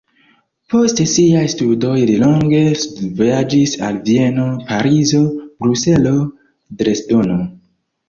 Post siaj studoj li longe studvojaĝis al Vieno, Parizo, Bruselo, Dresdeno.